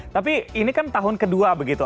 tapi ini kan tahun kedua begitu